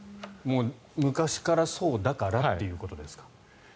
昔からそうだからということですか？